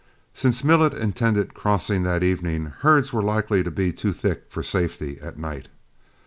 Since Millet intended crossing that evening, herds were likely to be too thick for safety at night.